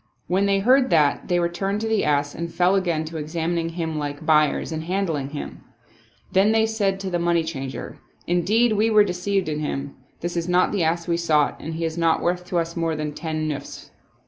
When they heard that they re turned to the ass and fell again to examining him like buy ers and handling him. Then said they to the money changer, " Indeed we were deceived in him. Ttiis is not the ass we sought and he is not worth to us more than ten nusfs."